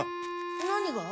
何が？